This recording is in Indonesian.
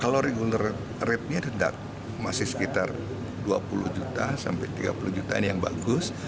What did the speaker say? kalau regular ratenya tetap masih sekitar dua puluh juta sampai tiga puluh juta ini yang bagus